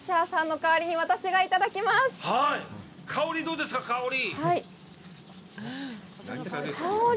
香りはどうですか、香り！